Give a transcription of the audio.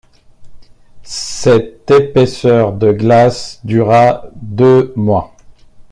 Cette épaisseur de glace dura deux mois.